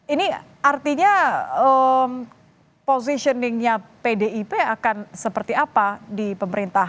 ini artinya positioningnya pdip akan seperti apa di pemerintahan